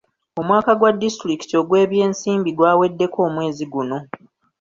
Omwaka gwa disitulikiti ogw'ebyensimbi gwaweddeko omwezi guno.